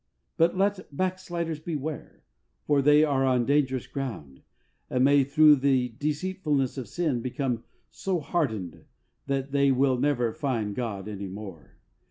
But let backsliders beware, for they are on dangerous ground, and may through the deceitfulness of sin become so hardened that they will never find God any more.